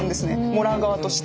もらう側として。